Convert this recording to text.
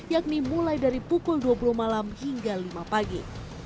yakni mulai dari pukul dua puluh malam hingga lima pagi